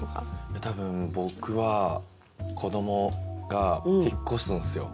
多分僕は子どもが引っ越すんすよ。